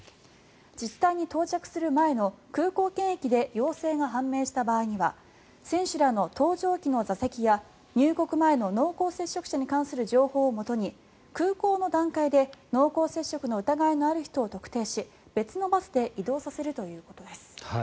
自治体に到着する前の空港検疫で陽性が判明した場合には選手らの搭乗機の座席や入国前の濃厚接触者に関する情報をもとに空港の段階で濃厚接触の疑いのある人を特定し別のバスで移動させるということです。